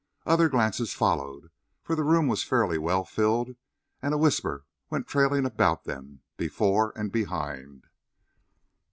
Other glances followed, for the room was fairly well filled, and a whisper went trailing about them, before and behind.